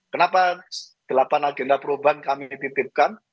kenapa delapan agenda perubahan kami titipkan